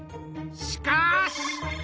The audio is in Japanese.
しかし！